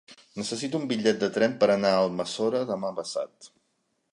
Necessito un bitllet de tren per anar a Almassora demà passat.